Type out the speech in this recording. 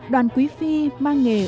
đoàn quý phi mang nghề